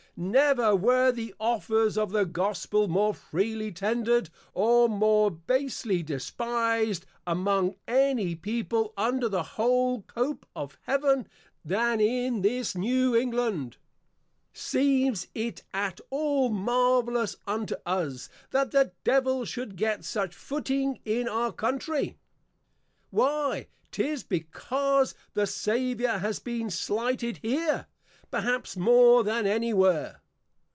_ Never were the offers of the Gospel, more freely tendered, or more basely despised, among any People under the whole Cope of Heaven, than in this N. E. Seems it at all marvellous unto us, that the Devil should get such footing in our Country? Why, 'tis because the Saviour has been slighted here, perhaps more than any where.